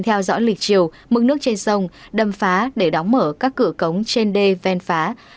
theo dõi lịch chiều mức nước trên sông đầm phá để đóng mở các cửa cống trên đê ven phá